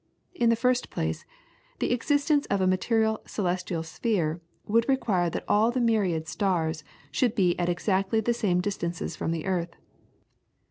In the first place, the existence of a material celestial sphere would require that all the myriad stars should be at exactly the same distances from the earth.